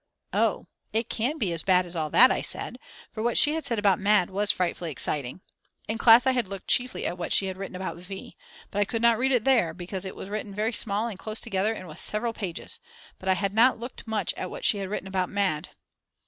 "Oh, it can't be as bad as all that," I said, for what she said about Mad. was frightfully exciting. In class I had looked chiefly at what she had written about V. But I could not read it there, because it was written very small and close together and was several pages, but I had not looked much at what she had written about Mad.